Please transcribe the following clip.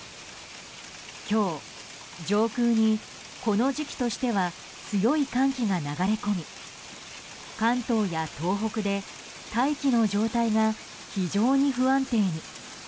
今日、上空にこの時期としては強い寒気が流れ込み関東や東北で大気の状態が非常に不安定に。